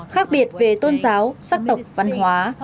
khác biệt về tôn giáo xác tộc văn hóa